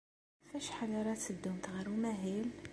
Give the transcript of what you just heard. Ɣef wacḥal ara teddumt ɣer umahil?